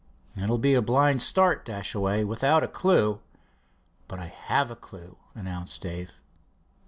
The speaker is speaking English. "It will be a blind start, Dashaway, without a clew." "But I have a clew," announced Dave.